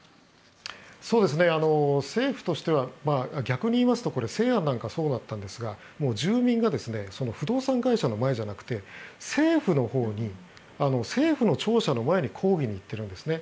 政府としては逆に言いますと西安なんかはそうだったんですが住民が不動産会社の前じゃなくて政府のほうに政府の庁舎の前に抗議に行っているんですね。